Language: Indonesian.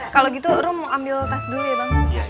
kalau gitu ruh mau ambil tes dulu ya bang